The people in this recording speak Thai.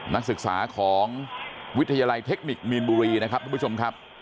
นักศึกษาของวิทยาลัยเทคนิคมีนบุรีนะครับทุกผู้ชมครับ